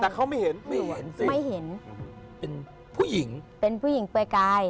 แต่เขาไม่เห็นไม่เห็นเส้นไม่เห็นเป็นผู้หญิงเป็นผู้หญิงเปลือยกาย